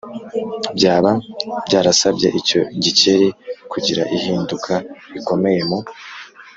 byaba byarasabye icyo gikeri kugira ihinduka rikomeye mu